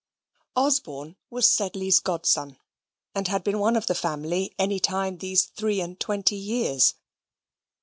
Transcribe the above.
Osborne was Sedley's godson, and had been one of the family any time these three and twenty years.